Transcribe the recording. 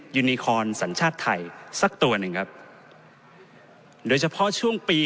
ยูนิคอนสัญชาติไทยสักตัวหนึ่งครับโดยเฉพาะช่วงปี